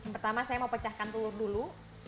pertama saya mau pecahkan telur dulu